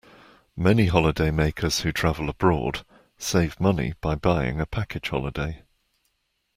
Many holidaymakers who travel abroad save money by buying a package holiday